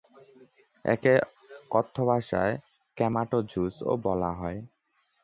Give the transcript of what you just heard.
একে কথ্য ভাষায় "ক্যামাটো জুস"ও বলা হয়।